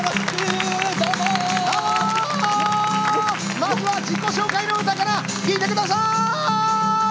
まずは自己紹介の歌から聴いてください！